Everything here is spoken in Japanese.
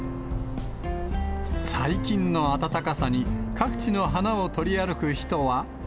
最近の暖かさに各地の花を撮り歩く人は。